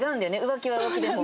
浮気は浮気でも。